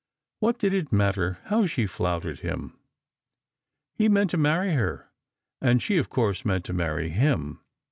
What did it matter how she flouted him ? He meant to marry her, and she of course meant to marry him.